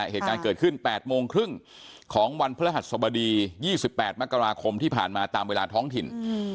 เหตุการณ์เกิดขึ้น๘โมงครึ่งของวันพฤหัสสบดี๒๘มกราคมที่ผ่านมาตามเวลาท้องถิ่น